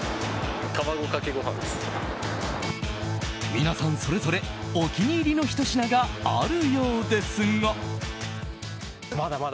皆さん、それぞれお気に入りの一品があるようですが。